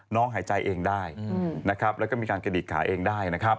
น้องหายใจเองได้แล้วก็มีการกระดิกขาเองได้